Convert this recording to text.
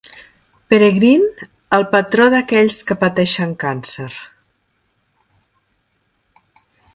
Peregrine, el patró d'aquells que pateixen càncer.